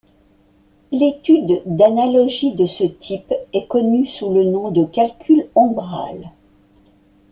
L'étude d'analogies de ce type est connue sous le nom de calcul ombral.